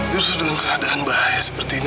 justru dengan keadaan bahaya seperti ini